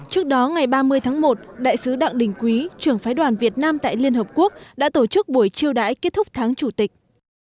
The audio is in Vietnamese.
trước đó ngày ba mươi tháng một đại sứ đặng đình quý trưởng phái đoàn việt nam tại liên hợp quốc đã tổ chức buổi chiêu đãi kết thúc tháng chủ tịch